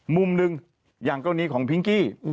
มุมหนึ่งอย่างกรณีของพิงกี้